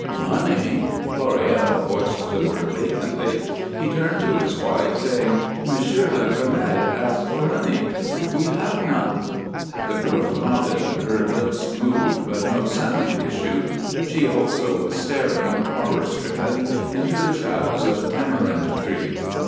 "Money?" Floréal voiced the word vacantly. He turned to his wife, saying, "Monsieur le Colonel asks for money. We have none." The girl nodded, her lips moved, but no sound issued; she also was staring, horror stricken, into the shadows of the tamarind tree.